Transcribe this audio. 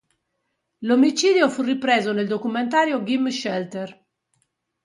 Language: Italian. L'omicidio fu ripreso nel documentario "Gimme Shelter".